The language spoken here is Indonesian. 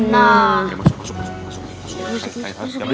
masuk masuk masuk